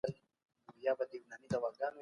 زه فشار نه خوښوم.